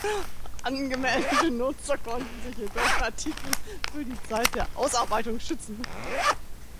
Angemeldete Nutzer konnten sich jedoch Artikel für die Zeit der Ausarbeitung schützen.